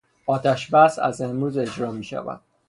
آتش بس از امروز اجرا میشود.